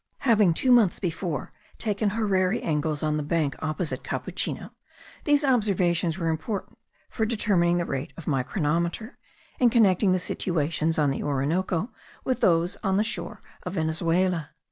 Having two months before taken horary angles on the bank opposite Capuchino, these observations were important for determining the rate of my chronometer, and connecting the situations on the Orinoco with those on the shore of Venezuela.